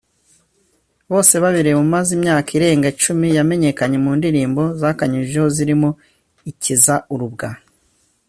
Bosebabireba umaze imyaka irenga icumi yamenyekanye mu ndirimbo zakanyujijeho zirimo ‘Ikiza urubwa’